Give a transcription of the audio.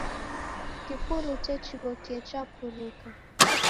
Kifurute chighokie chapuruka.